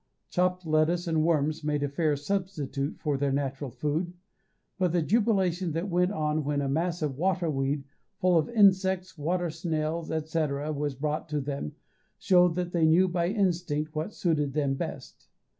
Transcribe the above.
Chopped lettuce and worms made a fair substitute for their natural food, but the jubilation that went on when a mass of water weed, full of insects, water snails, &c., was brought them, showed that they knew by instinct what suited them best.